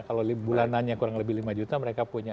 kalau bulanannya kurang lebih lima juta mereka punya